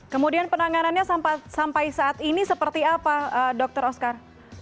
kemudian penanganannya sampai saat ini seperti apa dr oscar